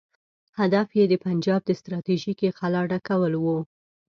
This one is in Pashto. هدف یې د پنجاب د ستراتیژیکې خلا ډکول وو.